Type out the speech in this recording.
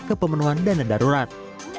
kepemenuhan dana darurat